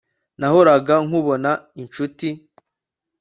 Nahoraga nkubona inshuti